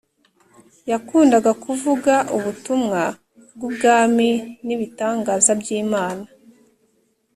yakundaga kuvuga ubutumwa bwUbwami nibitangaza by Imana